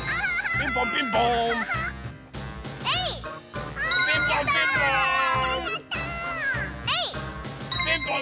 ピンポンピンポーン。